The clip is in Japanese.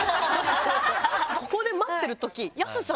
ここで待ってるとき。